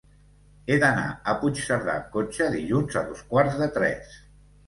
He d'anar a Puigcerdà amb cotxe dilluns a dos quarts de tres.